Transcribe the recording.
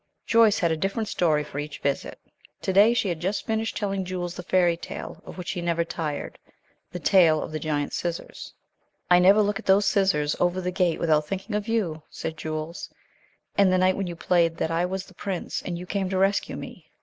Joyce had a different story for each visit. To day she had just finished telling Jules the fairy tale of which he never tired, the tale of the giant scissors. "I never look at those scissors over the gate without thinking of you," said Jules, "and the night when you played that I was the Prince, and you came to rescue me."